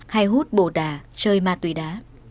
hay hút bồ đà chơi ma túy đá